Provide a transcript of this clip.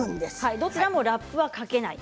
どちらもラップはかけません。